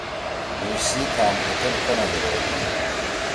بُش سی تھام اُتھل کھنا زید ہودی۔